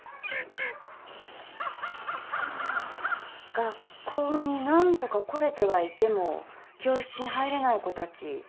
学校になんとか来れてはいても教室に入れない子たち。